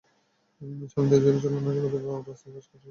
শামীম দেশজুড়ে চলা নাশকতার সময় রাস্তার গাছ কাটার ঘটনায় করা মামলার আসামি।